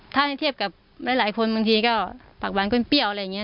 ถ้าให้เทียบกับหลายคนบางทีก็ผักหวานก้นเปรี้ยวอะไรอย่างนี้